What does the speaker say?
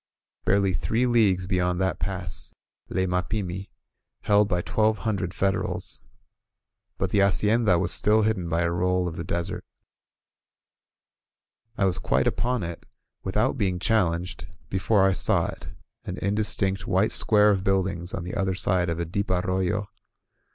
Barely three leagues beyond that pass lay Mapimi, held by twelve hundred Federals. But the hacienda was still hidden by a roll of the desert. I was quite upon it, without being challenged, be fore I saw it, an indistinct white square of buildings on the other side of a deep arroyo.